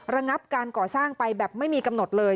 ระงับการก่อสร้างไปแบบไม่มีกำหนดเลย